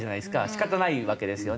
仕方ないわけですよね。